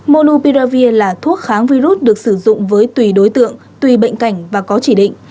monupiravir là thuốc kháng virus được sử dụng với tùy đối tượng tùy bệnh cảnh và có chỉ định